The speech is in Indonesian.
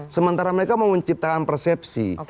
sementara mereka mau menciptakan persepsi